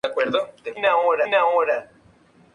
Lealtad a nuestros Padres y Maestros.